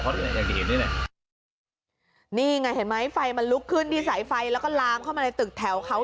โทษยังได้ที่ฟยาไข้ไหนไฟมาลุงขึ้นดีไซด์ไฟแล้วก็ล้างเข้ามาใน